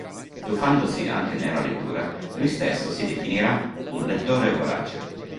Tuffandosi anche nella lettura, lui stesso si definirà un "lettore vorace".